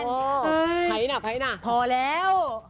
คือไพเดน่ะพอแล้ว